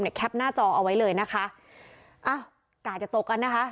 แคปหน้าจอเอาไว้เลยนะคะอ้าวกาดจะตกกันนะคะ